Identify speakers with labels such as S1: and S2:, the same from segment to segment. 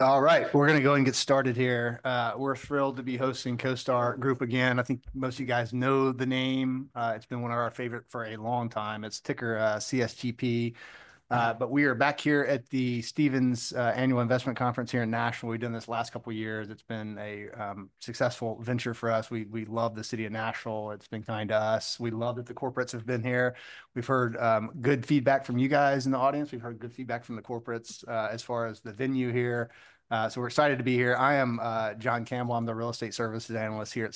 S1: All right, we're going to go and get started here. We're thrilled to be hosting CoStar Group again. I think most of you guys know the name. It's been one of our favorites for a long time. It's ticker CSGP. But we are back here at the Stephens Annual Investment Conference here in Nashville. We've done this the last couple of years. It's been a successful venture for us. We love the city of Nashville. It's been kind to us. We love that the corporates have been here. We've heard good feedback from you guys in the audience. We've heard good feedback from the corporates as far as the venue here. So we're excited to be here. I am Jon Campbell. I'm the real estate services analyst here at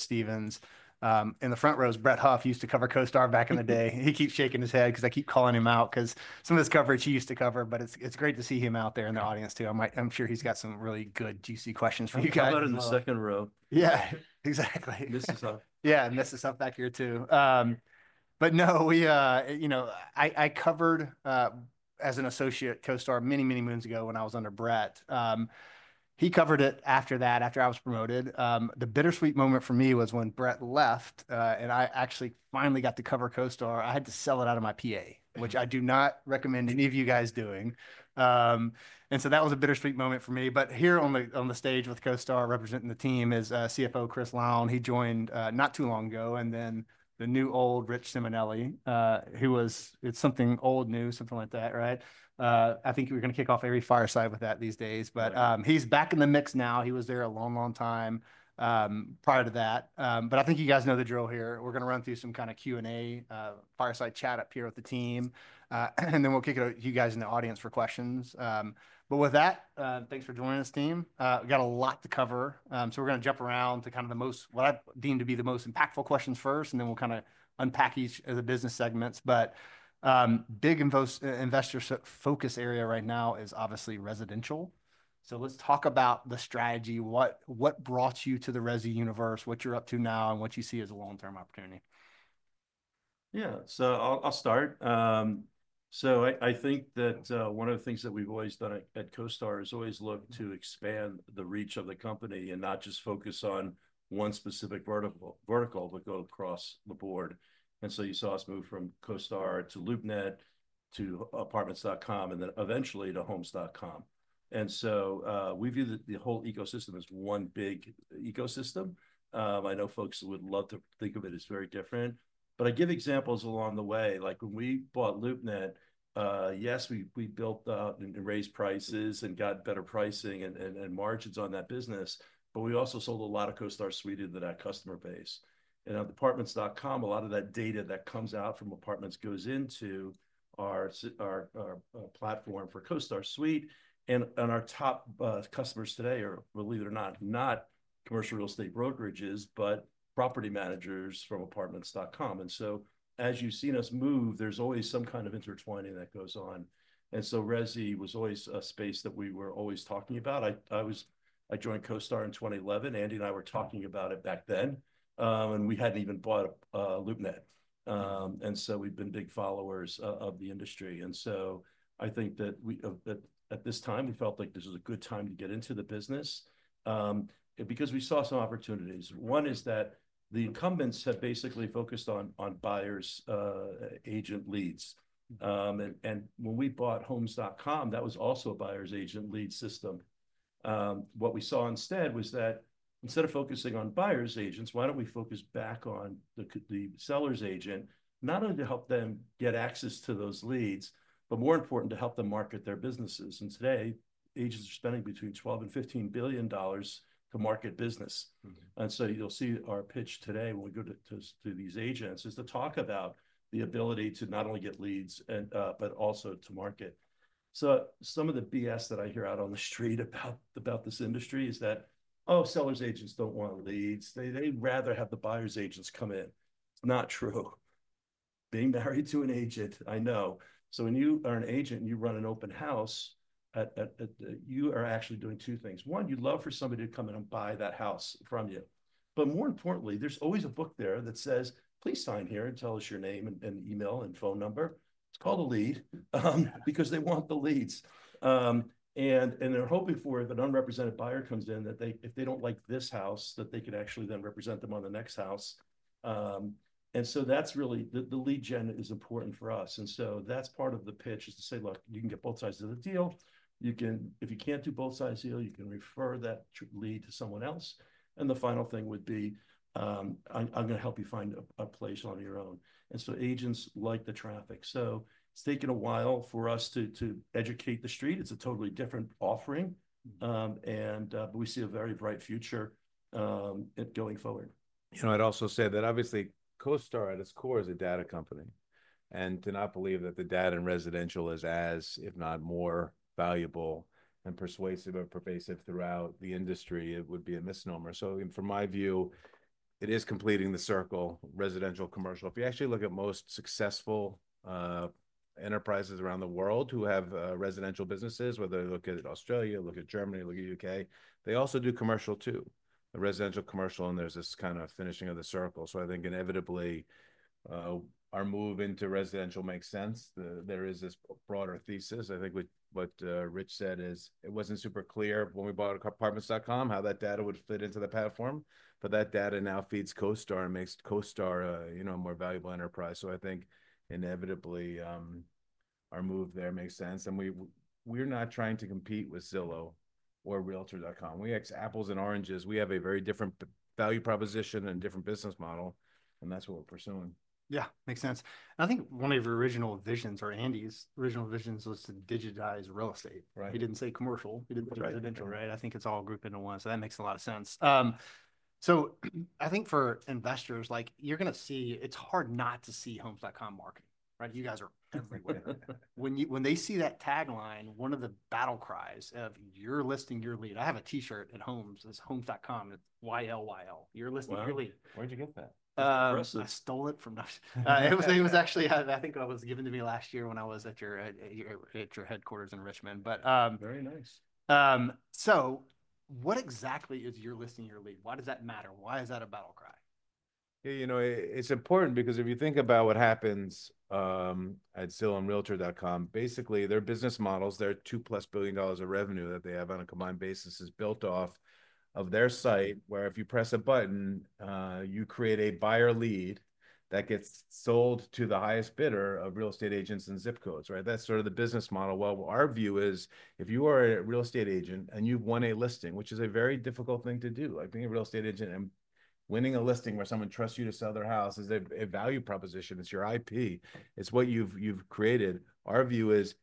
S1: Stephens. In the front rows, Brett Huff used to cover CoStar back in the day. He keeps shaking his head because I keep calling him out because some of this coverage he used to cover. But it's great to see him out there in the audience, too. I'm sure he's got some really good, juicy questions for you guys.
S2: He's covered in the second row.
S1: Yeah, exactly.
S2: Misses up.
S1: Yeah, mics up back here, too. But no, you know I covered as an associate CoStar many, many moons ago when I was under Brett. He covered it after that, after I was promoted. The bittersweet moment for me was when Brett left, and I actually finally got to cover CoStar. I had to sell it out of my PA, which I do not recommend any of you guys doing. And so that was a bittersweet moment for me. But here on the stage with CoStar representing the team is CFO Chris Lown. He joined not too long ago. And then the new old Rich Simonelli, who was, it's something old new, something like that, right? I think we're going to kick off every fireside with that these days. But he's back in the mix now. He was there a long, long time prior to that. But I think you guys know the drill here. We're going to run through some kind of Q&A fireside chat up here with the team. And then we'll kick it out to you guys in the audience for questions. But with that, thanks for joining us, team. We've got a lot to cover. So we're going to jump around to kind of the most, what I deem to be the most impactful questions first. And then we'll kind of unpack each of the business segments. But big investor focus area right now is obviously residential. So let's talk about the strategy. What brought you to the resi universe, what you're up to now, and what you see as a long-term opportunity?
S2: Yeah, so I'll start. So I think that one of the things that we've always done at CoStar is always look to expand the reach of the company and not just focus on one specific vertical, but go across the board. And so you saw us move from CoStar to LoopNet to Apartments.com, and then eventually to Homes.com. And so we view the whole ecosystem as one big ecosystem. I know folks would love to think of it as very different. But I give examples along the way. Like when we bought LoopNet, yes, we built and raised prices and got better pricing and margins on that business. But we also sold a lot of CoStar Suite into that customer base. And on Apartments.com, a lot of that data that comes out from Apartments goes into our platform for CoStar Suite. And our top customers today are, believe it or not, not commercial real estate brokerages, but property managers from Apartments.com. And so as you've seen us move, there's always some kind of intertwining that goes on. And so resi was always a space that we were always talking about. I joined CoStar in 2011. Andy and I were talking about it back then. And we hadn't even bought LoopNet. And so we've been big followers of the industry. And so I think that at this time, we felt like this was a good time to get into the business because we saw some opportunities. One is that the incumbents have basically focused on buyers' agent leads. And when we bought Homes.com, that was also a buyer's agent lead system. What we saw instead was that instead of focusing on buyer's agents, why don't we focus back on the seller's agent, not only to help them get access to those leads, but more importantly, to help them market their businesses, and today, agents are spending between $12 and $15 billion to market business. And so you'll see our pitch today when we go to these agents is to talk about the ability to not only get leads, but also to market. Some of the BS that I hear out on the street about this industry is that, oh, seller's agents don't want leads. They'd rather have the buyer's agents come in. Not true. Being married to an agent, I know. When you are an agent and you run an open house, you are actually doing two things. One, you'd love for somebody to come in and buy that house from you. But more importantly, there's always a book there that says, please sign here and tell us your name and email and phone number. It's called a lead because they want the leads. And they're hoping for, if an unrepresented buyer comes in, that if they don't like this house, that they could actually then represent them on the next house. And so that's really the lead gen is important for us. And so that's part of the pitch is to say, look, you can get both sides of the deal. If you can't do both sides of the deal, you can refer that lead to someone else. And the final thing would be, I'm going to help you find a place on your own. And so agents like the traffic. So it's taken a while for us to educate the street. It's a totally different offering. But we see a very bright future going forward.
S1: You know, I'd also say that obviously CoStar at its core is a data company, and to not believe that the data in residential is as, if not more valuable and persuasive or pervasive throughout the industry, it would be a misnomer, so from my view, it is completing the circle: residential, commercial. If you actually look at most successful enterprises around the world who have residential businesses, whether you look at Australia, look at Germany, look at the UK, they also do commercial too. Residential, commercial, and there's this kind of finishing of the circle, so I think inevitably our move into residential makes sense. There is this broader thesis. I think what Rich said is it wasn't super clear when we bought Apartments.com how that data would fit into the platform, but that data now feeds CoStar and makes CoStar a more valuable enterprise. I think inevitably our move there makes sense. We're not trying to compete with Zillow or Realtor.com. It's apples and oranges. We have a very different value proposition and different business model. That's what we're pursuing.
S3: Yeah, makes sense, and I think one of your original visions, or Andy's original visions, was to digitize real estate. He didn't say commercial. He didn't say residential, right? I think it's all grouped into one, so I think for investors, like you're going to see it's hard not to see Homes.com marketing, right? You guys are everywhere. When they see that tagline, one of the battle cries is "you're listing your lead." I have a T-shirt at Homes. It's Homes.com, YLYL. You're listing your lead.
S1: Where'd you get that?
S3: I stole it from Nashville.
S1: It was actually, I think it was given to me last year when I was at your headquarters in Richmond.
S2: Very nice.
S3: So what exactly is your listing your lead? Why does that matter? Why is that a battle cry?
S2: You know, it's important because if you think about what happens at Zillow and Realtor.com, basically their business models, their $2+ billion of revenue that they have on a combined basis is built off of their site where if you press a button, you create a buyer lead that gets sold to the highest bidder of real estate agents and zip codes, right? That's sort of the business model. Well, our view is if you are a real estate agent and you've won a listing, which is a very difficult thing to do, like being a real estate agent and winning a listing where someone trusts you to sell their house is a value proposition. It's your IP. It's what you've created. Our view is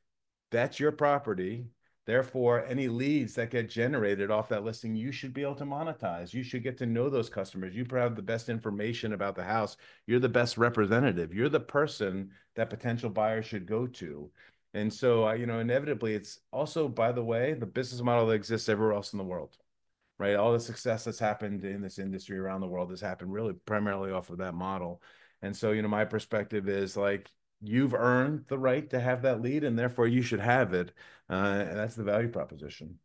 S2: that's your property. Therefore, any leads that get generated off that listing, you should be able to monetize. You should get to know those customers. You probably have the best information about the house. You're the best representative. You're the person that potential buyers should go to. And so, you know, inevitably, it's also, by the way, the business model that exists everywhere else in the world, right? All the success that's happened in this industry around the world has happened really primarily off of that model. And so, you know, my perspective is like you've earned the right to have that lead, and therefore you should have it. That's the value proposition.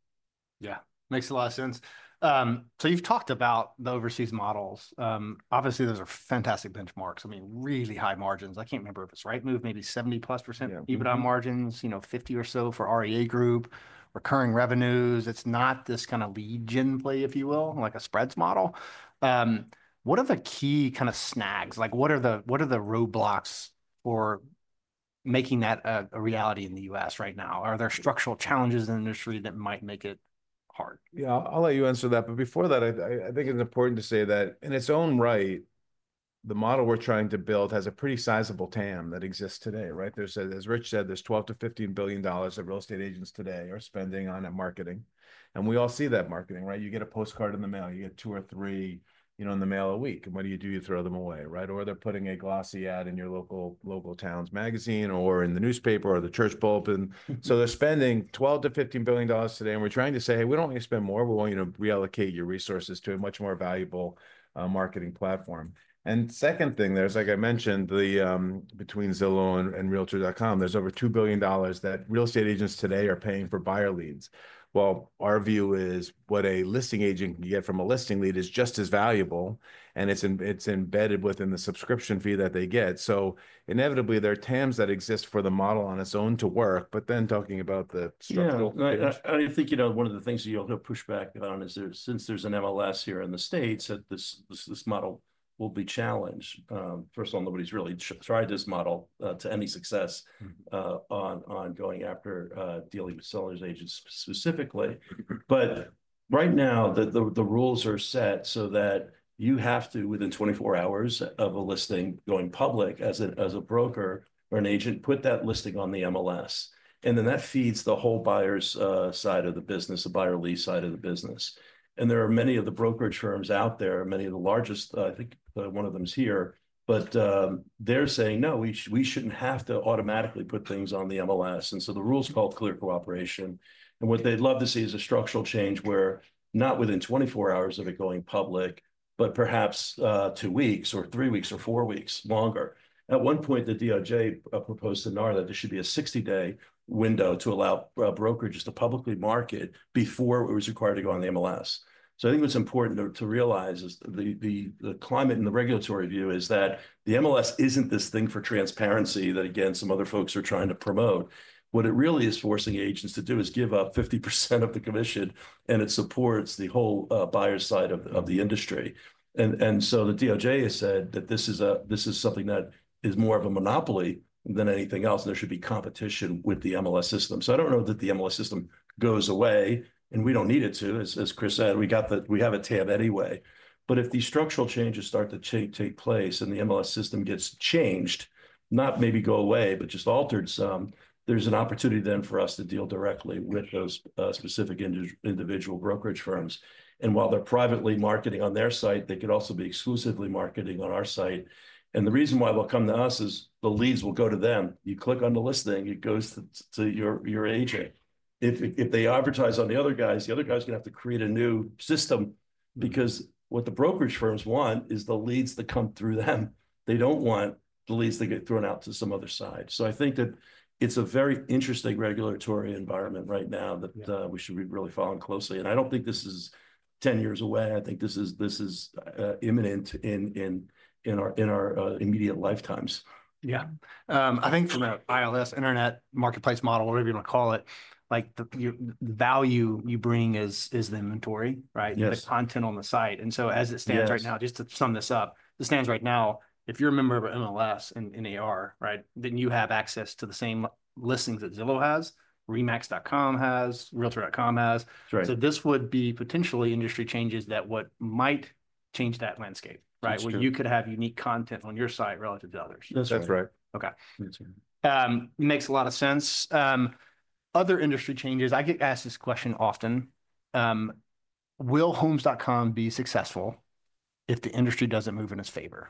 S3: Yeah, makes a lot of sense. So you've talked about the overseas models. Obviously, those are fantastic benchmarks. I mean, really high margins. I can't remember if it's Rightmove, maybe 70-plus% EBITDA margins, you know, 50 or so for REA Group, recurring revenues. It's not this kind of lead gen play, if you will, like a spreads model. What are the key kind of snags? Like what are the roadblocks for making that a reality in the U.S. right now? Are there structural challenges in the industry that might make it hard? Yeah, I'll let you answer that. But before that, I think it's important to say that in its own right, the model we're trying to build has a pretty sizable TAM that exists today, right? As Rich said, there's $12-$15 billion that real estate agents today are spending on marketing. And we all see that marketing, right? You get a postcard in the mail. You get two or three, you know, in the mail a week. And what do you do? You throw them away, right? Or they're putting a glossy ad in your local town's magazine or in the newspaper or the church pulpit. So they're spending $12-$15 billion today. And we're trying to say, hey, we don't want you to spend more. We want you to reallocate your resources to a much more valuable marketing platform. And second thing there, as I mentioned, between Zillow and Realtor.com, there's over $2 billion that real estate agents today are paying for buyer leads. Well, our view is what a listing agent can get from a listing lead is just as valuable. And it's embedded within the subscription fee that they get. So inevitably, there are TAMs that exist for the model on its own to work. But then talking about the structural fees.
S2: Yeah, I think, you know, one of the things that you'll push back on is since there's an MLS here in the States, this model will be challenged. First of all, nobody's really tried this model to any success on going after dealing with sellers agents specifically. But right now, the rules are set so that you have to, within 24 hours of a listing going public as a broker or an agent, put that listing on the MLS. And then that feeds the whole buyer's side of the business, the buyer lead side of the business. And there are many of the brokerage firms out there, many of the largest, I think one of them is here. But they're saying, no, we shouldn't have to automatically put things on the MLS. And so the rules, called Clear Cooperation. What they'd love to see is a structural change where not within 24 hours of it going public, but perhaps two weeks or three weeks or four weeks longer. At one point, the DOJ proposed to NAR that there should be a 60-day window to allow brokerages to publicly market before it was required to go on the MLS. I think what's important to realize is the climate and the regulatory view is that the MLS isn't this thing for transparency that, again, some other folks are trying to promote. What it really is forcing agents to do is give up 50% of the commission, and it supports the whole buyer side of the industry. The DOJ has said that this is something that is more of a monopoly than anything else. There should be competition with the MLS system. So I don't know that the MLS system goes away. And we don't need it to. As Chris said, we have a TAM anyway. But if these structural changes start to take place and the MLS system gets changed, not maybe go away, but just altered some, there's an opportunity then for us to deal directly with those specific individual brokerage firms. And while they're privately marketing on their site, they could also be exclusively marketing on our site. And the reason why they'll come to us is the leads will go to them. You click on the listing, it goes to your agent. If they advertise on the other guys, the other guy's going to have to create a new system because what the brokerage firms want is the leads that come through them. They don't want the leads that get thrown out to some other side. I think that it's a very interesting regulatory environment right now that we should be really following closely. And I don't think this is 10 years away. I think this is imminent in our immediate lifetimes. Yeah. I think from an ILS, Internet Marketplace model, whatever you want to call it, like the value you bring is the inventory, right? The content on the site. And so as it stands right now, just to sum this up, if you're a member of MLS and NAR, right, then you have access to the same listings that Zillow has, Remax.com has, Realtor.com has. So this would be potentially industry changes that might change that landscape, right? Where you could have unique content on your site relative to others. That's right.
S3: Okay. Makes a lot of sense. Other industry changes, I get asked this question often. Will Homes.com be successful if the industry doesn't move in its favor?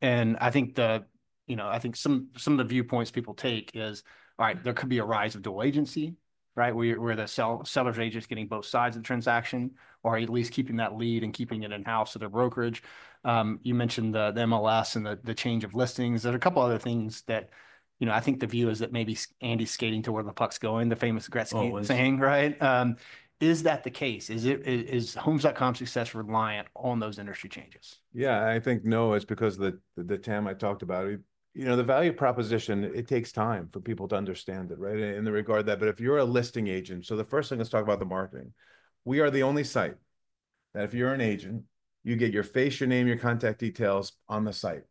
S3: And I think the, you know, I think some of the viewpoints people take is, all right, there could be a rise of dual agency, right? Where the seller's agent is getting both sides of the transaction or at least keeping that lead and keeping it in-house to their brokerage. You mentioned the MLS and the change of listings. There are a couple of other things that, you know, I think the view is that maybe Andy's skating to where the puck's going, the famous Gretzky saying, right? Is that the case? Is Homes.com success reliant on those industry changes?
S2: Yeah, I think no. It's because the TAM I talked about, you know, the value proposition, it takes time for people to understand it, right? In regard to that. But if you're a listing agent, so the first thing let's talk about the marketing. We are the only site that if you're an agent, you get your face, your name, your contact details on the site.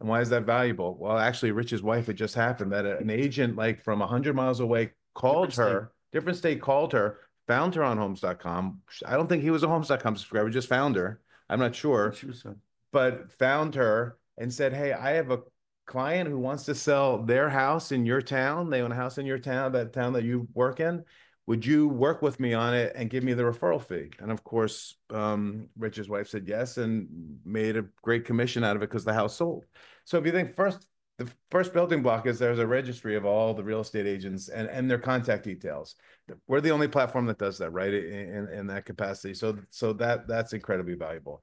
S2: And why is that valuable? Well, actually, Rich's wife, it just happened that an agent like from 100 mi away called her, different state called her, found her on Homes.com. I don't think he was a Homes.com subscriber, just found her. I'm not sure. But found her and said, hey, I have a client who wants to sell their house in your town. They own a house in your town, that town that you work in. Would you work with me on it and give me the referral fee? And of course, Rich's wife said yes and made a great commission out of it because the house sold. So if you think first, the first building block is there's a registry of all the real estate agents and their contact details. We're the only platform that does that, right? In that capacity. So that's incredibly valuable.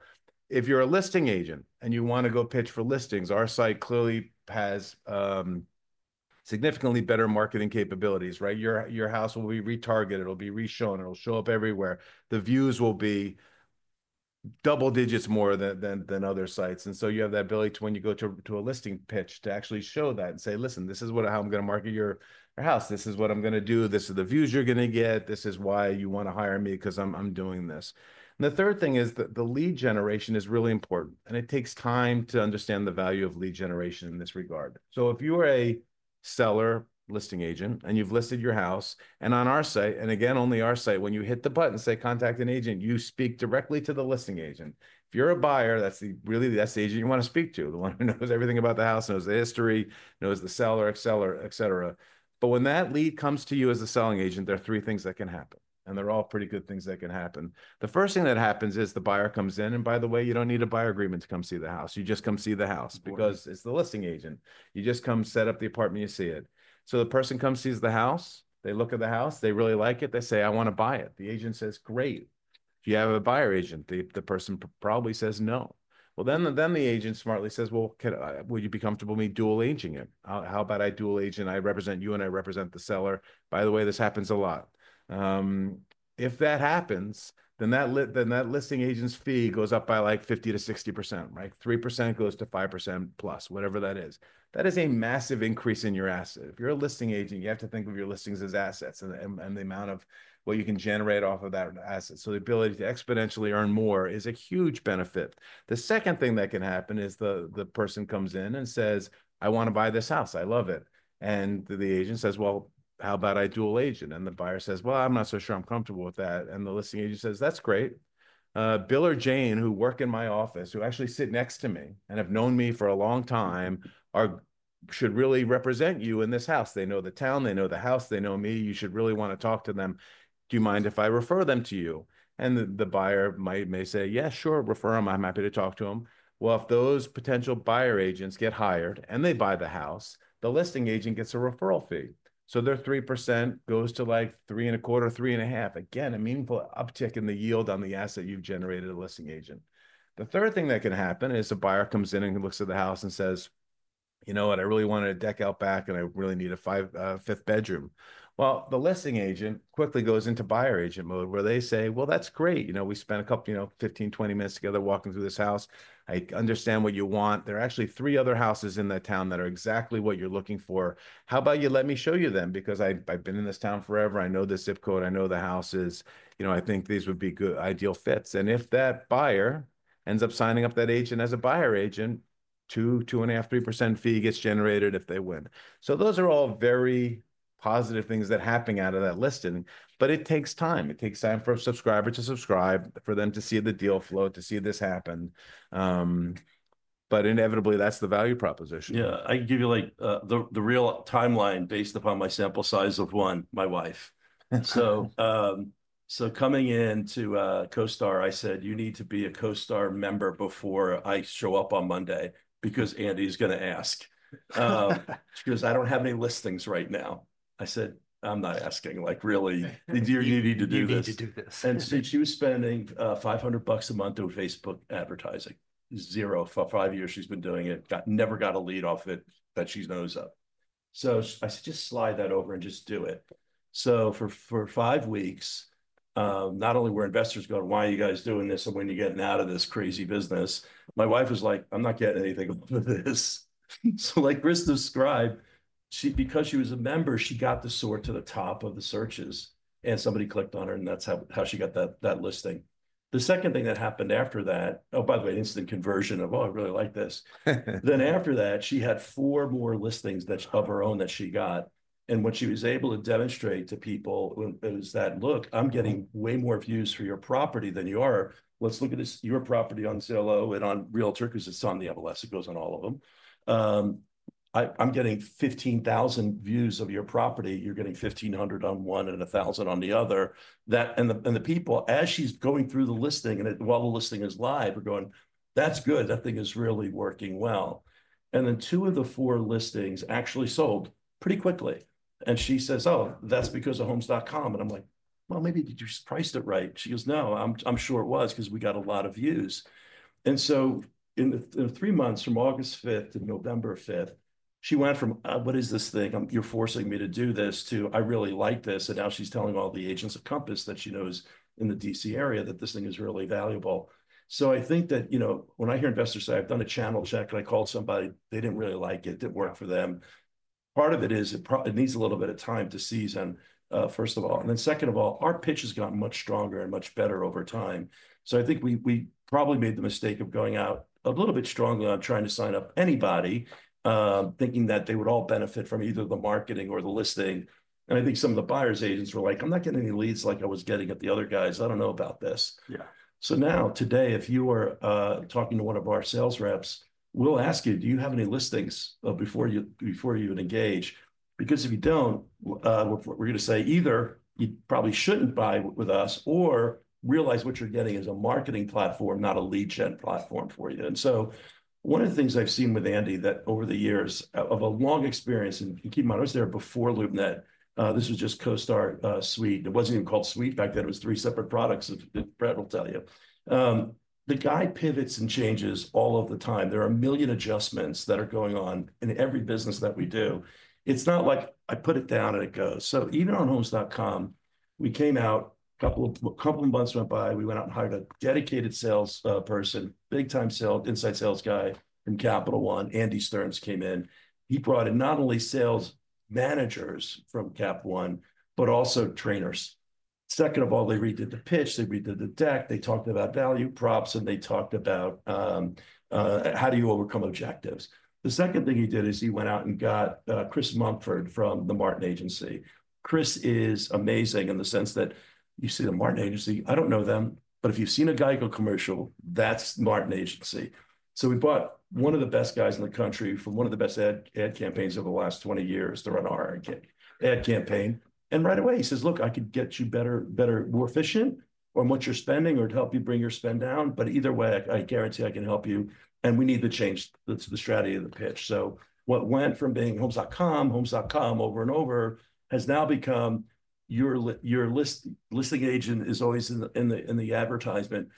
S2: If you're a listing agent and you want to go pitch for listings, our site clearly has significantly better marketing capabilities, right? Your house will be retargeted. It'll be reshown. It'll show up everywhere. The views will be double digits more than other sites. And so you have the ability to, when you go to a listing pitch, to actually show that and say, listen, this is how I'm going to market your house. This is what I'm going to do. This is the views you're going to get. This is why you want to hire me because I'm doing this. And the third thing is that the lead generation is really important. And it takes time to understand the value of lead generation in this regard. So if you are a seller listing agent and you've listed your house and on our site, and again, only our site, when you hit the button, say, contact an agent, you speak directly to the listing agent. If you're a buyer, that's really the agent you want to speak to, the one who knows everything about the house, knows the history, knows the seller, et cetera. But when that lead comes to you as a selling agent, there are three things that can happen. And they're all pretty good things that can happen. The first thing that happens is the buyer comes in, and by the way, you don't need a buyer's agreement to come see the house. You just come see the house because it's the listing agent. You just come set up an appointment, you see it, the person comes, sees the house. They look at the house. They really like it. They say, I want to buy it. The agent says, great. Do you have a buyer's agent? The person probably says, no, then the agent smartly says, well, would you be comfortable with me dual agenting it? How about I dual agent? I represent you and I represent the seller. By the way, this happens a lot. If that happens, then that listing agent's fee goes up by like 50%-60%, right? 3% goes to 5% plus, whatever that is. That is a massive increase in your asset. If you're a listing agent, you have to think of your listings as assets and the amount of what you can generate off of that asset. So the ability to exponentially earn more is a huge benefit. The second thing that can happen is the person comes in and says, I want to buy this house. I love it. And the agent says, well, how about I dual agent? And the buyer says, well, I'm not so sure I'm comfortable with that. And the listing agent says, that's great. Bill or Jane, who work in my office, who actually sit next to me and have known me for a long time, should really represent you in this house. They know the town. They know the house. They know me. You should really want to talk to them. Do you mind if I refer them to you? And the buyer may say, yeah, sure, refer them. I'm happy to talk to them. Well, if those potential buyer agents get hired and they buy the house, the listing agent gets a referral fee. So their 3% goes to like three and a quarter, three and a half. Again, a meaningful uptick in the yield on the asset you've generated a listing agent. The third thing that can happen is a buyer comes in and looks at the house and says, you know what, I really wanted a deck out back and I really need a fifth bedroom. Well, the listing agent quickly goes into buyer agent mode where they say, well, that's great. You know, we spent a couple, you know, 15, 20 minutes together walking through this house. I understand what you want. There are actually three other houses in that town that are exactly what you're looking for. How about you let me show you them? Because I've been in this town forever. I know the zip code. I know the houses. You know, I think these would be good ideal fits. And if that buyer ends up signing up that agent as a buyer's agent, 2%, 2.5%, 3% fee gets generated if they win. So those are all very positive things that happen out of that listing, but it takes time. It takes time for a subscriber to subscribe, for them to see the deal flow, to see this happen, but inevitably, that's the value proposition.
S3: Yeah, I can give you like the real timeline based upon my sample size of one, my wife. So coming into CoStar, I said, you need to be a CoStar member before I show up on Monday because Andy is going to ask. She goes, I don't have any listings right now. I said, I'm not asking. Like really, you need to do this. And she was spending $500 a month doing Facebook advertising. Zero for five years she's been doing it. Never got a lead off it that she knows of. So I said, just slide that over and just do it. So for five weeks, not only were investors going, why are you guys doing this? And when you're getting out of this crazy business, my wife was like, I'm not getting anything off of this. So like Risk to Subscribe, because she was a member, she got the sort to the top of the searches. And somebody clicked on her and that's how she got that listing. The second thing that happened after that, oh, by the way, instant conversion of, oh, I really like this. Then after that, she had four more listings of her own that she got. And what she was able to demonstrate to people was that, look, I'm getting way more views for your property than you are. Let's look at your property on Zillow and on Realtor, because it's on the MLS. It goes on all of them. I'm getting 15,000 views of your property. You're getting 1,500 on one and 1,000 on the other. And the people, as she's going through the listing and while the listing is live, are going, that's good. That thing is really working well, and then two of the four listings actually sold pretty quickly. She says, oh, that's because of Homes.com. And I'm like, well, maybe you just priced it right. She goes, no, I'm sure it was because we got a lot of views. And so in three months from August 5th to November 5th, she went from, what is this thing? You're forcing me to do this to, I really like this. And now she's telling all the agents of Compass that she knows in the DC area that this thing is really valuable. So I think that, you know, when I hear investors say, I've done a channel check and I called somebody, they didn't really like it. It didn't work for them. Part of it is it needs a little bit of time to season, first of all. And then second of all, our pitch has gotten much stronger and much better over time. So I think we probably made the mistake of going out a little bit stronger on trying to sign up anybody thinking that they would all benefit from either the marketing or the listing. And I think some of the buyer's agents were like, I'm not getting any leads like I was getting at the other guys. I don't know about this. Yeah. So now today, if you are talking to one of our sales reps, we'll ask you, do you have any listings before you even engage? Because if you don't, we're going to say either you probably shouldn't buy with us or realize what you're getting is a marketing platform, not a lead gen platform for you. And so one of the things I've seen with Andy, that over the years of a long experience, and keep in mind, I was there before LoopNet. This was just CoStar Suite. It wasn't even called Suite back then. It was three separate products that Brett will tell you. The guy pivots and changes all of the time. There are a million adjustments that are going on in every business that we do. It's not like I put it down and it goes. So even on Homes.com, we came out, a couple of months went by, we went out and hired a dedicated sales person, big-time sales inside sales guy from Capital One. Andy Stearns came in. He brought in not only sales managers from Capital One, but also trainers. Second of all, they redid the pitch. They redid the deck. They talked about value props, and they talked about how do you overcome objectives. The second thing he did is he went out and got Chris Mumford from The Martin Agency. Chris is amazing in the sense that you see The Martin Agency. I don't know them, but if you've seen a Geico commercial, that's Martin Agency. So we bought one of the best guys in the country from one of the best ad campaigns over the last 20 years to run our ad campaign. Right away he says, look, I could get you better, more efficient on what you're spending or to help you bring your spend down. Either way, I guarantee I can help you. We need to change the strategy of the pitch. So what went from being Homes.com, Homes.com over and over has now become your listing agent is always in the advertisement.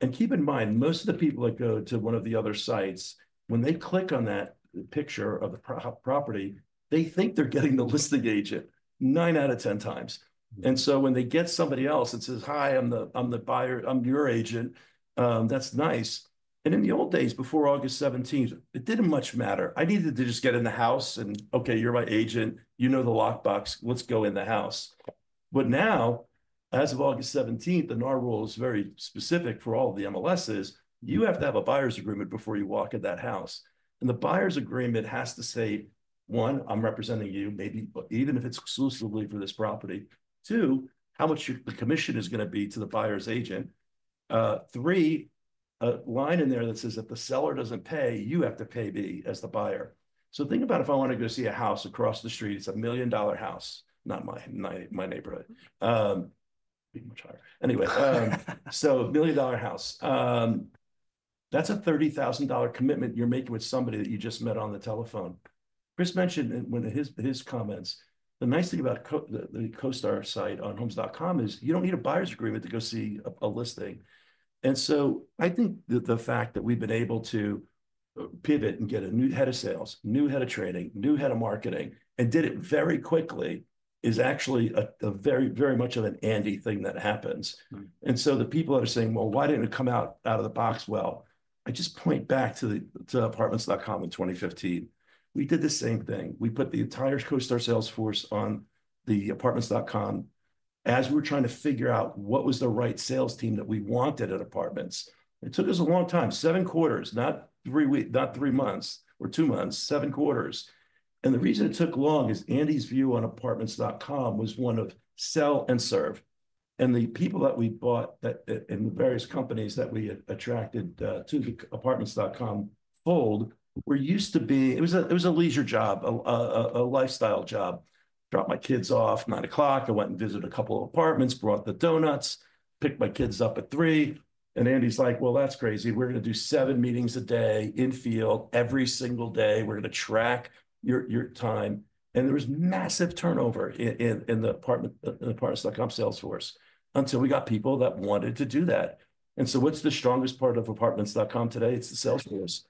S3: And keep in mind, most of the people that go to one of the other sites, when they click on that picture of the property, they think they're getting the listing agent nine out of ten times. And so when they get somebody else that says, hi, I'm the buyer's agent, that's nice. And in the old days before August 17th, it didn't much matter. I needed to just get in the house and, okay, you're my agent. You know the lockbox. Let's go in the house. But now, as of August 17th, and our rule is very specific for all of the MLSs, you have to have a buyer's agreement before you walk in that house. The buyer's agreement has to say, one, I'm representing you, maybe even if it's exclusively for this property. Two, how much the commission is going to be to the buyer's agent. Three, a line in there that says if the seller doesn't pay, you have to pay me as the buyer. So think about if I want to go see a house across the street. It's a $1 million house, not my neighborhood. Anyway, so $1 million house. That's a $30,000 commitment you're making with somebody that you just met on the telephone. Chris mentioned in his comments, the nice thing about the CoStar site on Homes.com is you don't need a buyer's agreement to go see a listing. I think that the fact that we've been able to pivot and get a new head of sales, new head of trading, new head of marketing, and did it very quickly is actually a very, very much of an Andy thing that happens. The people that are saying, well, why didn't it come out of the box well? I just point back to the Apartments.com in 2015. We did the same thing. We put the entire CoStar sales force on the Apartments.com as we were trying to figure out what was the right sales team that we wanted at Apartments. It took us a long time, seven quarters, not three months or two months, seven quarters. The reason it took long is Andy's view on Apartments.com was one of sell and serve. And the people that we bought in the various companies that we attracted to the Apartments.com fold were used to be. It was a leisure job, a lifestyle job. Drop my kids off at 9:00 A.M. I went and visited a couple of apartments, brought the donuts, picked my kids up at 3:00 P.M. And Andy's like, well, that's crazy. We're going to do seven meetings a day in field every single day. We're going to track your time. And there was massive turnover in the Apartments.com sales force until we got people that wanted to do that. And so what's the strongest part of Apartments.com today? It's the sales force.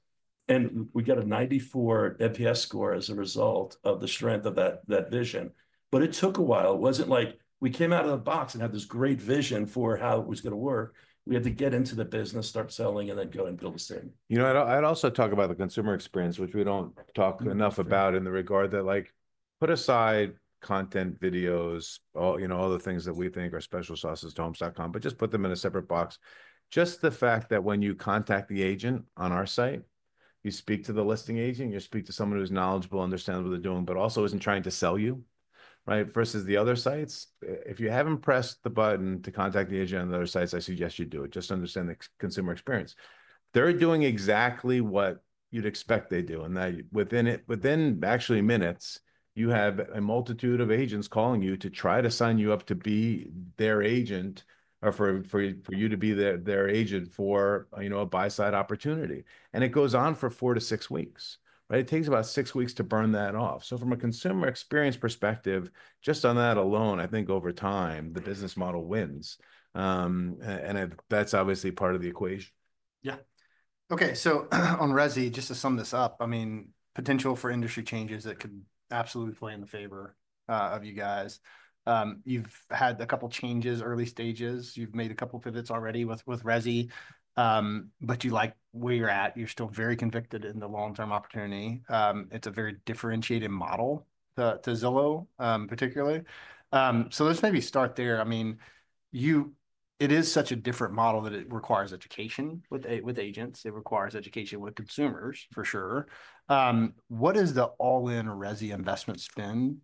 S3: And we got a 94 NPS score as a result of the strength of that vision. But it took a while. It wasn't like we came out of the box and had this great vision for how it was going to work. We had to get into the business, start selling, and then go and build a statement. You know, I'd also talk about the consumer experience, which we don't talk enough about in the regard that like put aside content, videos, all the things that we think are special sauces to Homes.com, but just put them in a separate box. Just the fact that when you contact the agent on our site, you speak to the listing agent, you speak to someone who's knowledgeable, understands what they're doing, but also isn't trying to sell you, right? Versus the other sites, if you haven't pressed the button to contact the agent on the other sites, I suggest you do it. Just understand the consumer experience. They're doing exactly what you'd expect they do, and that within actually minutes, you have a multitude of agents calling you to try to sign you up to be their agent or for you to be their agent for a buy-side opportunity. It goes on for four to six weeks, right? It takes about six weeks to burn that off. So from a consumer experience perspective, just on that alone, I think over time, the business model wins. That's obviously part of the equation.
S2: Yeah. Okay. So on Rezi, just to sum this up, I mean, potential for industry changes that could absolutely play in the favor of you guys. You've had a couple changes, early stages. You've made a couple pivots already with Rezi, but you like where you're at. You're still very convicted in the long-term opportunity. It's a very differentiated model to Zillow, particularly. So let's maybe start there. I mean, it is such a different model that it requires education with agents. It requires education with consumers, for sure. What is the all-in Rezi investment spend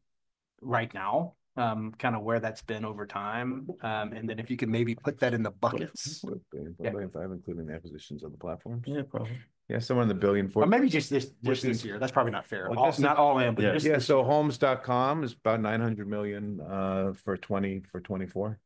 S2: right now? Kind of where that's been over time? And then if you could maybe put that in the buckets.
S3: I'm including the acquisitions of the platforms. Yeah, probably. Yeah, somewhere in the billion for.
S2: Maybe just this year. That's probably not fair. Not all in, but just.
S3: Yeah, so Homes.com is about $900 million for 2024.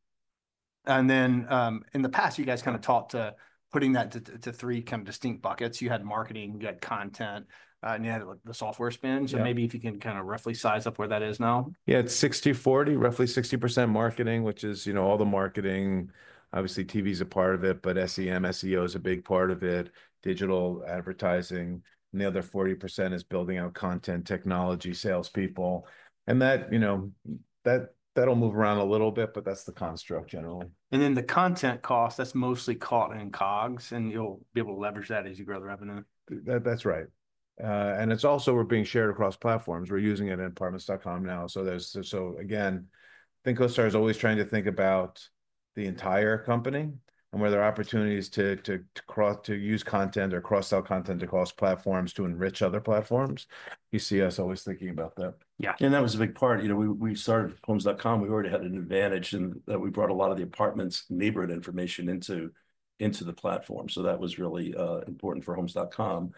S2: In the past, you guys kind of talked about putting that into three kind of distinct buckets. You had marketing, you had content, and you had the software spend. Maybe if you can kind of roughly size up where that is now.
S3: Yeah, it's 60-40, roughly 60% marketing, which is, you know, all the marketing. Obviously, TV is a part of it, but SEM, SEO is a big part of it, digital advertising. And the other 40% is building out content, technology, salespeople. And that, you know, that'll move around a little bit, but that's the construct generally.
S2: And then the content cost, that's mostly caught in COGS, and you'll be able to leverage that as you grow the revenue.
S3: That's right, and it's also we're being shared across platforms. We're using it at Apartments.com now, so again, I think CoStar is always trying to think about the entire company and where there are opportunities to use content or cross-sell content across platforms to enrich other platforms. You see us always thinking about that.
S2: Yeah. And that was a big part. You know, we started Homes.com. We already had an advantage in that we brought a lot of the apartments neighborhood information into the platform. So that was really important for Homes.com.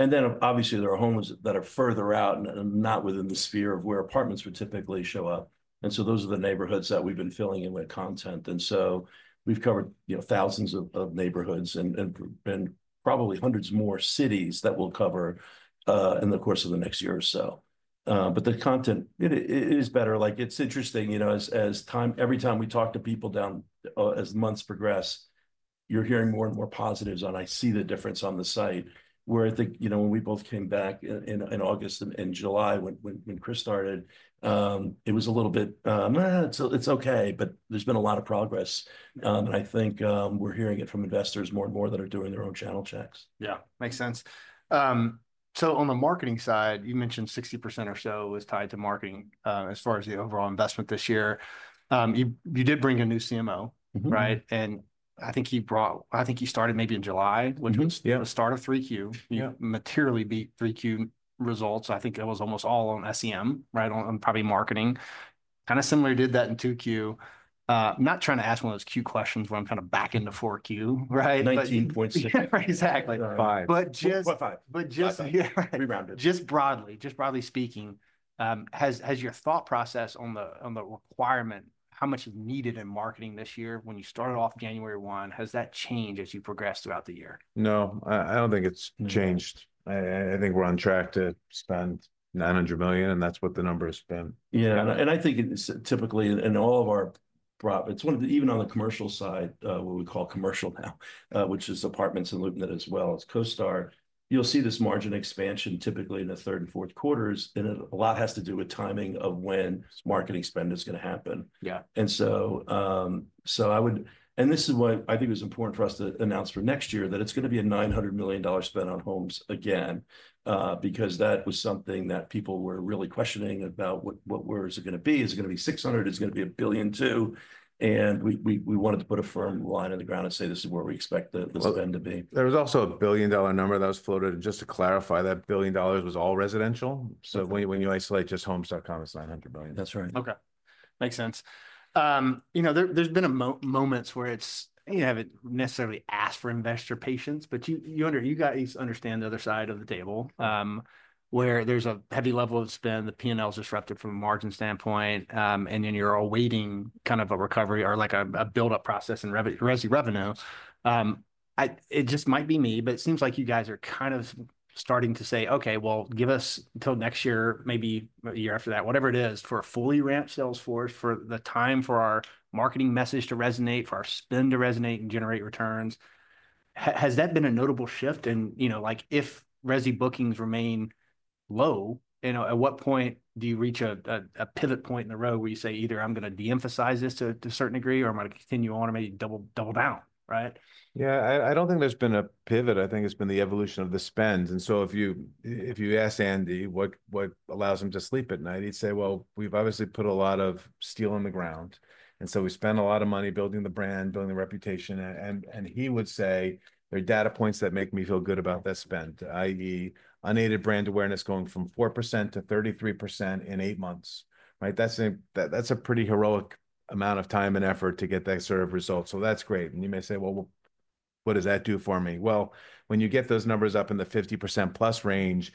S2: And then obviously there are homes that are further out and not within the sphere of where apartments would typically show up. And so those are the neighborhoods that we've been filling in with content. And so we've covered thousands of neighborhoods and probably hundreds more cities that we'll cover in the course of the next year or so. But the content, it is better. Like it's interesting, you know, now as months progress, every time we talk to people, you're hearing more and more positives on, "I see the difference on the site. Where I think, you know, when we both came back in August and July when Chris started, it was a little bit, it's okay, but there's been a lot of progress. I think we're hearing it from investors more and more that are doing their own channel checks. Yeah, makes sense. So on the marketing side, you mentioned 60% or so was tied to marketing as far as the overall investment this year. You did bring a new CMO, right? I think he brought, I think he started maybe in July, which was the start of 3Q. You materially beat 3Q results. I think it was almost all on SEM, right? On probably marketing. Kind of similar did that in 2Q. I'm not trying to ask one of those Q&A questions when I'm kind of back into 4Q, right?
S3: 19.6.
S2: Exactly.
S3: Five.
S2: But just.
S3: What five?
S2: But just broadly speaking, has your thought process on the requirement, how much is needed in marketing this year when you started off January 1, has that changed as you progressed throughout the year?
S3: No, I don't think it's changed. I think we're on track to spend $900 million, and that's what the number has been.
S2: Yeah. I think typically in all of our prop, it's one of the, even on the commercial side, what we call commercial now, which is apartments and LoopNet as well as CoStar, you'll see this margin expansion typically in the third and fourth quarters. A lot has to do with timing of when marketing spend is going to happen. Yeah. So I would, and this is what I think is important for us to announce for next year, that it's going to be a $900 million spend on homes again, because that was something that people were really questioning about what is it going to be? Is it going to be $600 million? Is it going to be $1 billion too? We wanted to put a firm line in the ground and say, this is where we expect the spend to be.
S3: There was also a $1 billion number that was floated, and just to clarify, that $1 billion was all residential. When you isolate just Homes.com, it's $900 million.
S2: That's right. Okay. Makes sense. You know, there's been moments where you haven't necessarily asked for investor patience, but you understand you guys understand the other side of the table where there's a heavy level of spend, the P&L is disrupted from a margin standpoint, and then you're awaiting kind of a recovery or like a buildup process in resi revenue. It just might be me, but it seems like you guys are kind of starting to say, okay, well, give us until next year, maybe a year after that, whatever it is for a fully ramped sales force, for the time for our marketing message to resonate, for our spend to resonate and generate returns. Has that been a notable shift? You know, like if resi bookings remain low, you know, at what point do you reach a pivot point in the ROI where you say either I'm going to de-emphasize this to a certain degree or I'm going to continue on or maybe double down, right?
S3: Yeah, I don't think there's been a pivot. I think it's been the evolution of the spend. And so if you ask Andy what allows him to sleep at night, he'd say, well, we've obviously put a lot of steel in the ground. And so we spend a lot of money building the brand, building the reputation. And he would say, there are data points that make me feel good about that spend, i.e., unaided brand awareness going from 4% to 33% in eight months. Right? That's a pretty heroic amount of time and effort to get that sort of result. So that's great. And you may say, well, what does that do for me? Well, when you get those numbers up in the 50% plus range,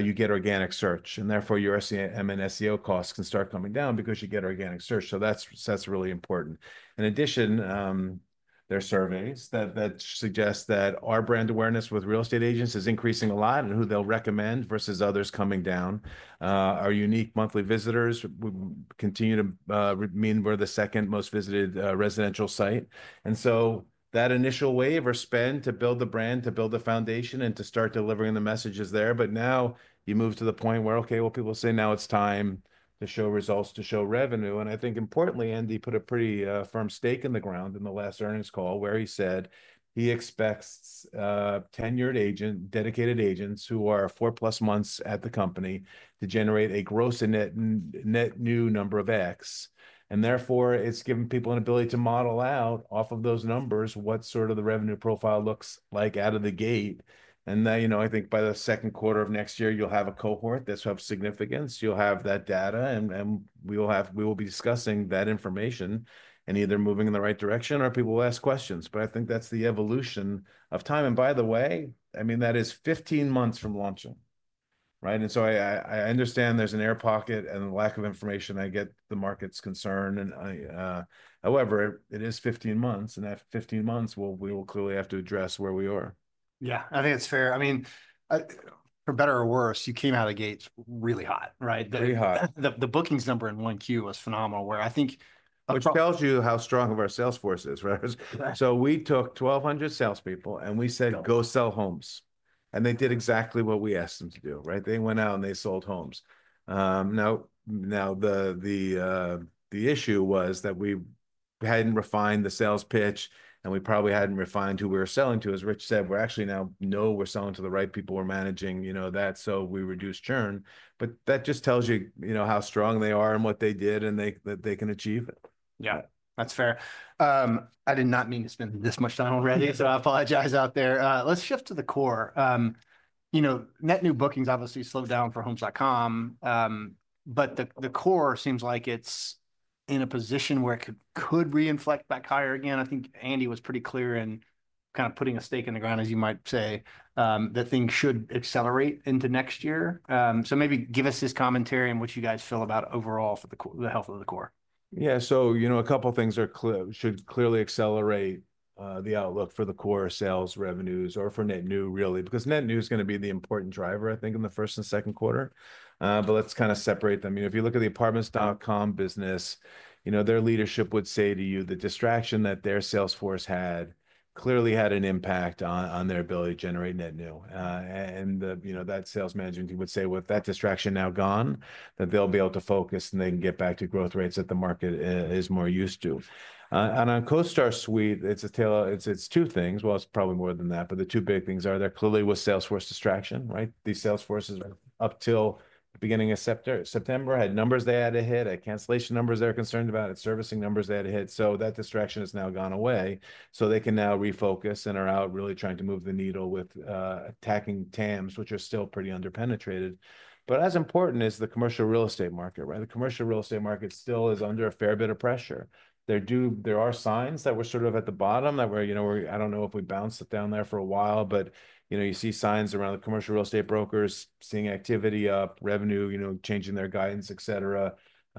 S3: you get organic search. And therefore, your SEM and SEO costs can start coming down because you get organic search. So that's really important. In addition, there are surveys that suggest that our brand awareness with real estate agents is increasing a lot and who they'll recommend versus others coming down. Our unique monthly visitors continue to mean we're the second most visited residential site. And so that initial wave or spend to build the brand, to build the foundation and to start delivering the message is there. But now you move to the point where, okay, well, people say now it's time to show results, to show revenue. And I think importantly, Andy put a pretty firm stake in the ground in the last earnings call where he said he expects tenured agents, dedicated agents who are four plus months at the company to generate a gross and net new number of X. And therefore, it's given people an ability to model out of those numbers what sort of the revenue profile looks like out of the gate. And you know, I think by the second quarter of next year, you'll have a cohort that's of significance. You'll have that data. And we will be discussing that information and either moving in the right direction or people will ask questions. But I think that's the evolution of time. And by the way, I mean, that is 15 months from launching, right? And so I understand there's an air pocket and the lack of information. I get the market's concern. However, it is 15 months. And after 15 months, we will clearly have to address where we are.
S2: Yeah, I think it's fair. I mean, for better or worse, you came out of the gates really hot, right?
S3: Very hot.
S2: The bookings number in 1Q was phenomenal where I think.
S3: Which tells you how strong of our sales force is, right? So we took 1,200 salespeople and we said, go sell homes. And they did exactly what we asked them to do, right? They went out and they sold homes. Now, the issue was that we hadn't refined the sales pitch and we probably hadn't refined who we were selling to. As Rich said, we're actually now, no, we're selling to the right people. We're managing, you know, that. So we reduced churn. But that just tells you, you know, how strong they are and what they did and that they can achieve it.
S2: Yeah, that's fair. I did not mean to spend this much time already, so I apologize out there. Let's shift to the core. You know, net new bookings obviously slowed down for Homes.com, but the core seems like it's in a position where it could reinflect back higher again. I think Andy was pretty clear in kind of putting a stake in the ground, as you might say, that things should accelerate into next year. So maybe give us this commentary in which you guys feel about overall for the health of the core.
S3: Yeah. So, you know, a couple of things should clearly accelerate the outlook for the core sales revenues or for net new really, because net new is going to be the important driver, I think, in the first and second quarter, but let's kind of separate them. You know, if you look at the Apartments.com business, you know, their leadership would say to you the distraction that their sales force had clearly had an impact on their ability to generate net new, and that sales management team would say with that distraction now gone, that they'll be able to focus and they can get back to growth rates that the market is more used to, and on CoStar Suite, it's two things, well, it's probably more than that, but the two big things are there clearly was sales force distraction, right? These sales forces up till the beginning of September had numbers they had to hit, had cancellation numbers they were concerned about, had servicing numbers they had to hit. So that distraction has now gone away. So they can now refocus and are out really trying to move the needle with attacking TAMs, which are still pretty underpenetrated. But as important as the commercial real estate market, right? The commercial real estate market still is under a fair bit of pressure. There are signs that we're sort of at the bottom that we're, you know, I don't know if we bounced it down there for a while, but you know, you see signs around the commercial real estate brokers seeing activity up, revenue, you know, changing their guidance, et cetera.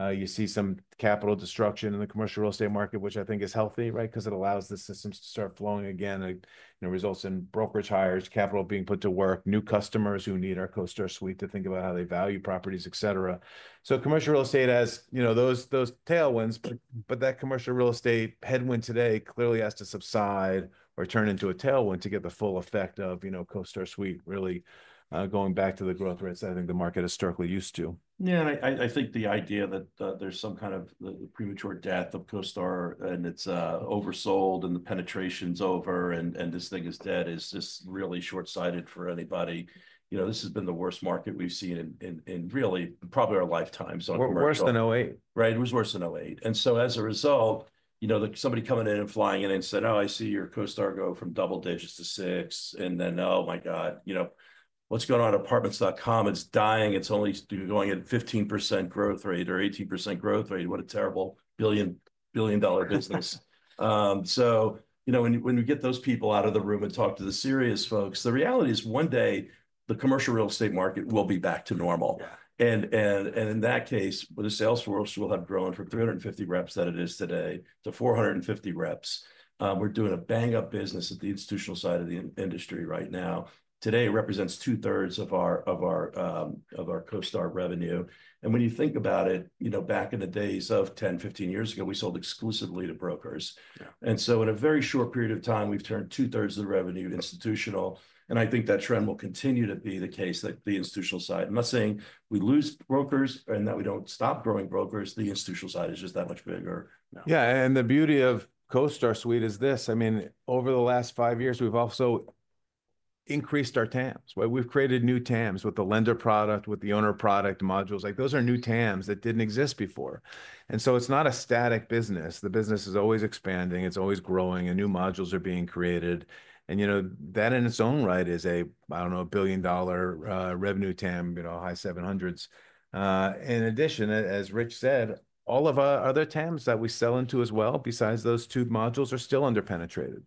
S3: You see some capital destruction in the commercial real estate market, which I think is healthy, right? Because it allows the systems to start flowing again. It results in brokerage hires, capital being put to work, new customers who need our CoStar Suite to think about how they value properties, et cetera. So commercial real estate has, you know, those tailwinds, but that commercial real estate headwind today clearly has to subside or turn into a tailwind to get the full effect of, you know, CoStar Suite really going back to the growth rates I think the market is starkly used to.
S2: Yeah, and I think the idea that there's some kind of the premature death of CoStar and it's oversold and the penetration's over and this thing is dead is just really shortsighted for anybody. You know, this has been the worst market we've seen in really probably our lifetime.
S3: Worse than 2008, right? It was worse than 2008, and so as a result, you know, somebody coming in and flying in and said, oh, I see your CoStar go from double digits to six, and then, oh my God, you know, what's going on at Apartments.com? It's dying. It's only going at a 15% growth rate or 18% growth rate. What a terrible $1 billion business, so, you know, when you get those people out of the room and talk to the serious folks, the reality is one day the commercial real estate market will be back to normal, and in that case, the sales force will have grown from 350 reps that it is today to 450 reps. We're doing a bang-up business at the institutional side of the industry right now. Today it represents two-thirds of our CoStar revenue. When you think about it, you know, back in the days of 10, 15 years ago, we sold exclusively to brokers. And so in a very short period of time, we've turned two-thirds of the revenue institutional. And I think that trend will continue to be the case that the institutional side. I'm not saying we lose brokers and that we don't stop growing brokers. The institutional side is just that much bigger now. Yeah. And the beauty of CoStar Suite is this. I mean, over the last five years, we've also increased our TAMs. We've created new TAMs with the lender product, with the owner product modules. Like those are new TAMs that didn't exist before. And so it's not a static business. The business is always expanding. It's always growing. And new modules are being created. You know, that in its own right is a, I don't know, a $1 billion-dollar revenue TAM, you know, high 700s. In addition, as Rich said, all of our other TAMs that we sell into as well besides those two modules are still underpenetrated.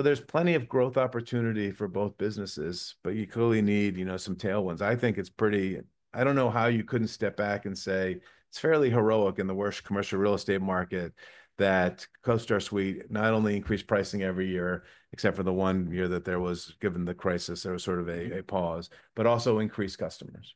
S3: There's plenty of growth opportunity for both businesses, but you clearly need, you know, some tailwinds. I think it's pretty, I don't know how you couldn't step back and say it's fairly heroic in the worst commercial real estate market that CoStar Suite not only increased pricing every year, except for the one year that there was given the crisis, there was sort of a pause, but also increased customers.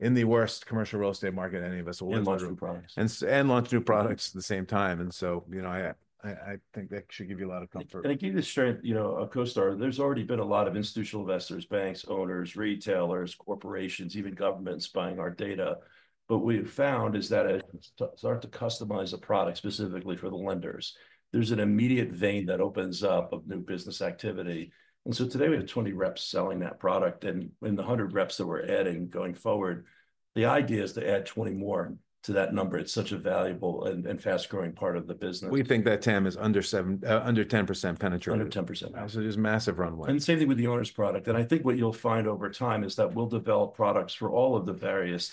S3: In the worst commercial real estate market, any of us will launch new products and launch new products at the same time. You know, I think that should give you a lot of comfort.
S2: And I give you the strength, you know, of CoStar. There's already been a lot of institutional investors, banks, owners, retailers, corporations, even governments buying our data. But what we have found is that start to customize a product specifically for the lenders. There's an immediate vein that opens up of new business activity. And so today we have 20 reps selling that product. And in the 100 reps that we're adding going forward, the idea is to add 20 more to that number. It's such a valuable and fast-growing part of the business.
S3: We think that TAM is under 10% penetrated.
S2: Under 10%.
S3: It is a massive runway.
S2: And the same thing with the owners' product. I think what you'll find over time is that we'll develop products for all of the various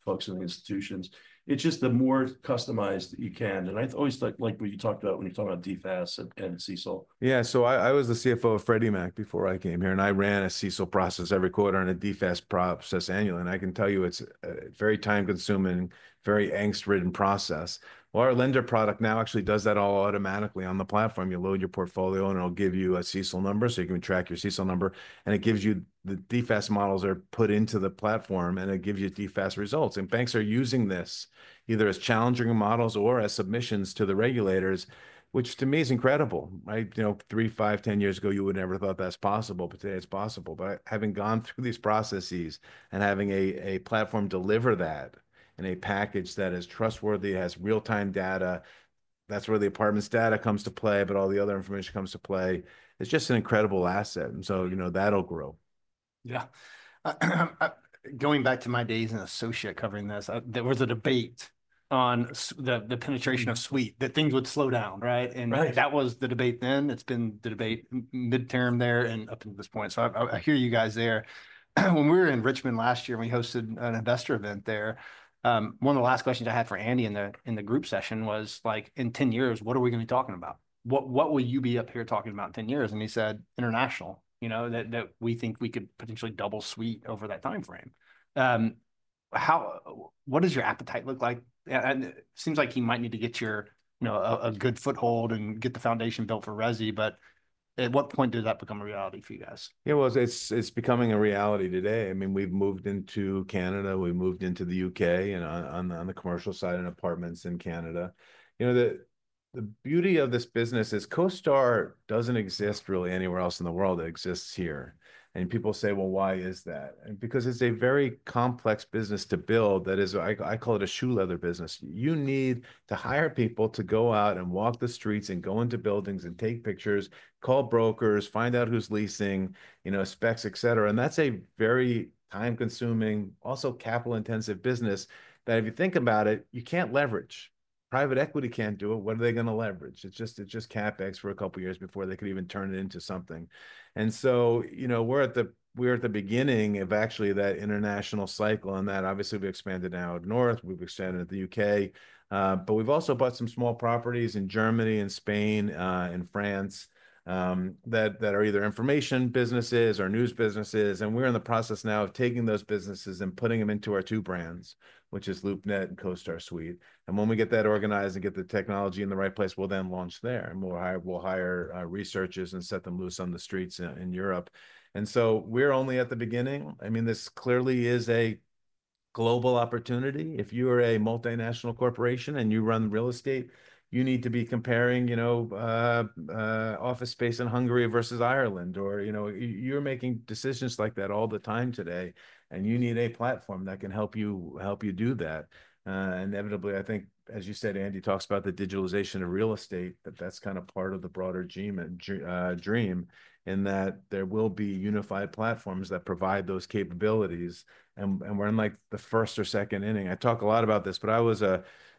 S2: folks in the institutions. It's just the more customized that you can. I always like what you talked about when you're talking about DFAST and CECL.
S3: Yeah. So I was the CFO of Freddie Mac before I came here. And I ran a CECL process every quarter and a DFAST process annually. And I can tell you it's a very time-consuming, very angst-ridden process. Well, our lender product now actually does that all automatically on the platform. You load your portfolio and it'll give you a CECL number. So you can track your CECL number. And it gives you the DFAST models are put into the platform and it gives you DFAST results. And banks are using this either as challenging models or as submissions to the regulators, which to me is incredible, right? You know, three, five, ten years ago, you would never thought that's possible, but today it's possible. But having gone through these processes and having a platform deliver that in a package that is trustworthy, has real-time data, that's where the Apartments.com data comes to play, but all the other information comes to play. It's just an incredible asset. And so, you know, that'll grow.
S2: Yeah. Going back to my days as an associate covering this, there was a debate on the penetration of Suite, that things would slow down, right? And that was the debate then. It's been the debate midterm there and up to this point. So I hear you guys there. When we were in Richmond last year, we hosted an investor event there. One of the last questions I had for Andy in the group session was like, in 10 years, what are we going to be talking about? What will you be up here talking about in 10 years? And he said, international, you know, that we think we could potentially double Suite over that timeframe. What does your appetite look like? It seems like he might need to get your, you know, a good foothold and get the foundation built for resi. But at what point did that become a reality for you guys?
S3: It was. It's becoming a reality today. I mean, we've moved into Canada. We moved into the U.K. and on the commercial side and apartments in Canada. You know, the beauty of this business is CoStar doesn't exist really anywhere else in the world. It exists here. People say, well, why is that? Because it's a very complex business to build that is. I call it a shoe leather business. You need to hire people to go out and walk the streets and go into buildings and take pictures, call brokers, find out who's leasing, you know, specs, et cetera. That's a very time-consuming, also capital-intensive business that if you think about it, you can't leverage. Private equity can't do it. What are they going to leverage? It's just CapEx for a couple of years before they could even turn it into something. And so, you know, we're at the beginning of actually that international cycle. And that obviously we've expanded now to North. We've expanded to the UK. But we've also bought some small properties in Germany and Spain and France that are either information businesses or news businesses. And we're in the process now of taking those businesses and putting them into our two brands, which is LoopNet and CoStar Suite. And when we get that organized and get the technology in the right place, we'll then launch there. And we'll hire researchers and set them loose on the streets in Europe. And so we're only at the beginning. I mean, this clearly is a global opportunity. If you are a multinational corporation and you run real estate, you need to be comparing, you know, office space in Hungary versus Ireland or, you know, you're making decisions like that all the time today, and you need a platform that can help you do that. Inevitably, I think, as you said, Andy talks about the digitalization of real estate, that that's kind of part of the broader dream in that there will be unified platforms that provide those capabilities, and we're in like the first or second inning. I talk a lot about this, but I was,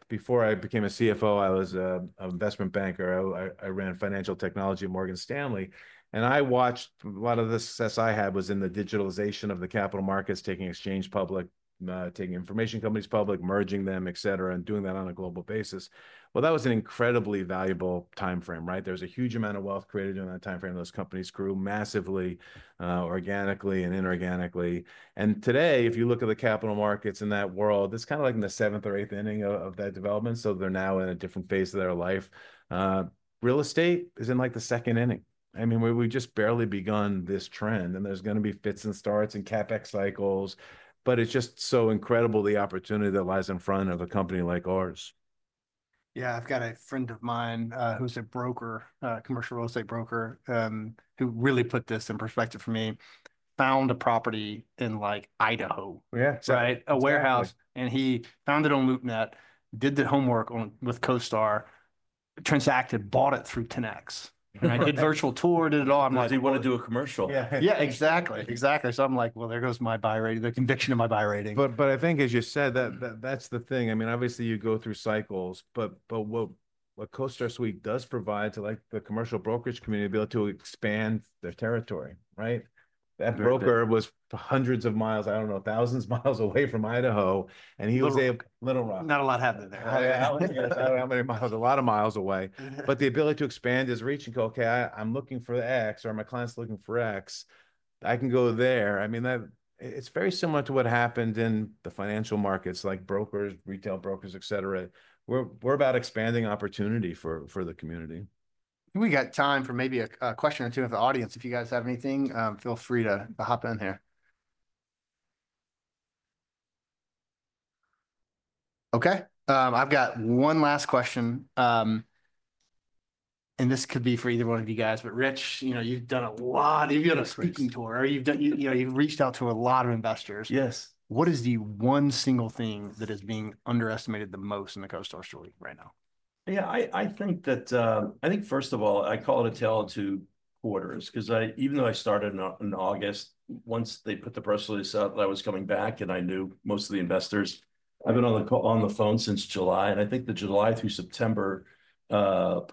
S3: before I became a CFO, I was an investment banker. I ran financial technology at Morgan Stanley. And I watched a lot of the success I had was in the digitalization of the capital markets, taking exchange public, taking information companies public, merging them, et cetera, and doing that on a global basis. Well, that was an incredibly valuable timeframe, right? There was a huge amount of wealth created during that timeframe. Those companies grew massively organically and inorganically. And today, if you look at the capital markets in that world, it's kind of like in the seventh or eighth inning of that development. So they're now in a different phase of their life. Real estate is in like the second inning. I mean, we've just barely begun this trend. And there's going to be fits and starts and CapEx cycles. But it's just so incredible the opportunity that lies in front of a company like ours.
S2: Yeah. I've got a friend of mine who's a broker, commercial real estate broker, who really put this in perspective for me, found a property in like Idaho, right? A warehouse. And he found it on LoopNet, did the homework with CoStar, transacted, bought it through Ten-X. And I did virtual tour, did it all.
S3: He wanted to do a commercial.
S2: Yeah, exactly. Exactly. So I'm like, well, there goes my buy rate, the conviction of my buy rating.
S3: But I think, as you said, that's the thing. I mean, obviously you go through cycles. But what CoStar Suite does provide to like the commercial brokerage community to be able to expand their territory, right? That broker was hundreds of miles, I don't know, thousands of miles away from Idaho. And he was a little rough.
S2: Not a lot happened there.
S3: How many miles? A lot of miles away. But the ability to expand is reaching go, okay. I'm looking for X or my client's looking for X. I can go there. I mean, it's very similar to what happened in the financial markets, like brokers, retail brokers, et cetera. We're about expanding opportunity for the community.
S2: We got time for maybe a question or two of the audience. If you guys have anything, feel free to hop in here. Okay. I've got one last question, and this could be for either one of you guys, but Rich, you know, you've done a lot. You've been on a speaking tour. You've reached out to a lot of investors.
S3: Yes.
S2: What is the one single thing that is being underestimated the most in the CoStar story right now?
S3: Yeah. I think that, I think first of all, I call it a tale of two quarters because even though I started in August, once they put the press release out, I was coming back and I knew most of the investors. I've been on the phone since July. And I think the July through September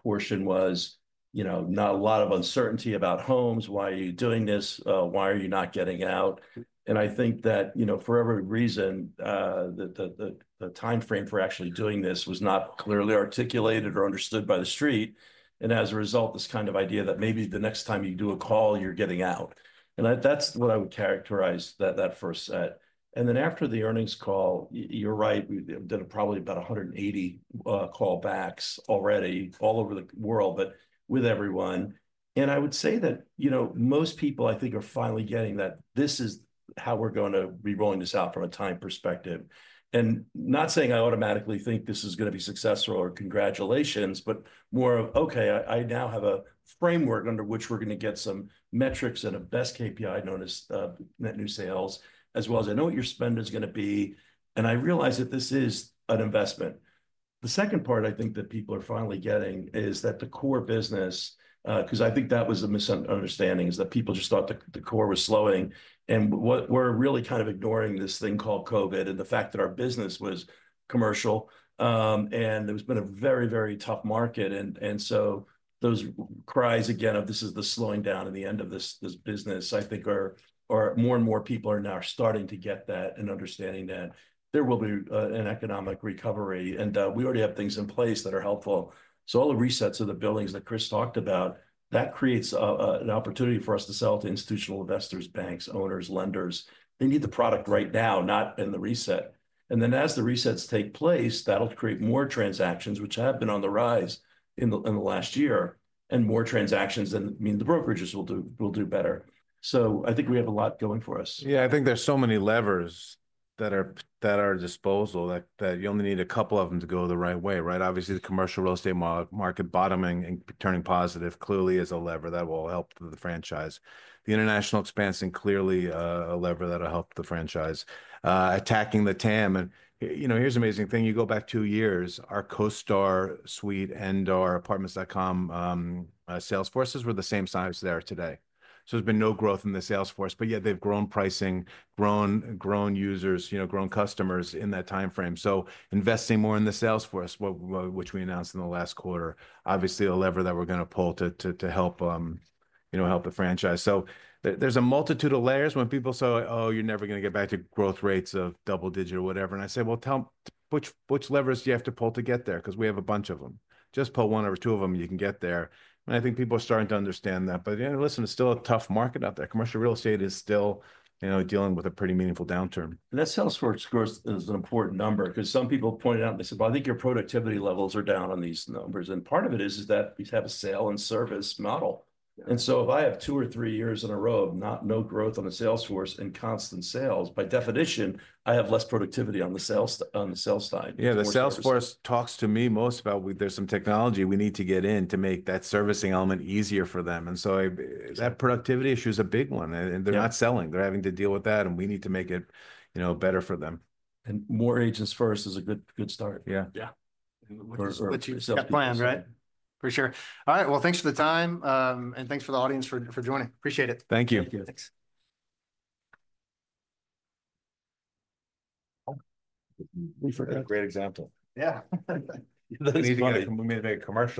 S3: portion was, you know, not a lot of uncertainty about homes. Why are you doing this? Why are you not getting out? And I think that, you know, for every reason, the timeframe for actually doing this was not clearly articulated or understood by the street. And as a result, this kind of idea that maybe the next time you do a call, you're getting out. And that's what I would characterize that first set. And then, after the earnings call, you're right. We did probably about 180 callbacks already all over the world, but with everyone. And I would say that, you know, most people, I think, are finally getting that this is how we're going to be rolling this out from a time perspective. And not saying I automatically think this is going to be successful or congratulations, but more of, okay, I now have a framework under which we're going to get some metrics and a best KPI known as net new sales, as well as I know what your spend is going to be. And I realize that this is an investment. The second part I think that people are finally getting is that the core business, because I think that was a misunderstanding, is that people just thought the core was slowing. And we're really kind of ignoring this thing called COVID and the fact that our business was commercial. And there's been a very, very tough market. And so those cries again of this is the slowing down at the end of this business. I think more and more people are now starting to get that and understanding that there will be an economic recovery. And we already have things in place that are helpful. So all the resets of the buildings that Chris talked about, that creates an opportunity for us to sell to institutional investors, banks, owners, lenders. They need the product right now, not in the reset. And then as the resets take place, that'll create more transactions, which have been on the rise in the last year. And more transactions than the brokerages will do better. So I think we have a lot going for us. Yeah. I think there's so many levers that are at our disposal that you only need a couple of them to go the right way, right? Obviously, the commercial real estate market bottoming and turning positive clearly is a lever that will help the franchise. The international expansion clearly a lever that will help the franchise. Attacking the TAM, and you know, here's an amazing thing. You go back two years, our CoStar Suite and our Apartments.com sales forces were the same size they are today. So there's been no growth in the sales force, but yeah, they've grown pricing, grown users, you know, grown customers in that timeframe. So investing more in the sales force, which we announced in the last quarter, obviously a lever that we're going to pull to help, you know, help the franchise. So there's a multitude of layers when people say, oh, you're never going to get back to growth rates of double-digit or whatever. And I say, well, tell me which levers do you have to pull to get there? Because we have a bunch of them. Just pull one or two of them, you can get there. And I think people are starting to understand that. But listen, it's still a tough market out there. Commercial real estate is still, you know, dealing with a pretty meaningful downturn.
S2: And that sales force score is an important number because some people point out and they said, "Well, I think your productivity levels are down on these numbers." And part of it is that we have a sale and service model. And so if I have two or three years in a row of no growth on the uncertain and constant sales, by definition, I have less productivity on the sales side.
S3: Yeah. The sales force talks to me most about there's some technology we need to get in to make that servicing element easier for them. And so that productivity issue is a big one. And they're not selling. They're having to deal with that. And we need to make it, you know, better for them.
S2: More agents first is a good start.
S3: Yeah.
S2: Yeah.
S3: What's your plan, right?
S2: For sure. All right. Well, thanks for the time. And thanks for the audience for joining. Appreciate it.
S3: Thank you.
S2: Thanks.
S3: Great example.
S2: Yeah.
S3: We made a good commercial.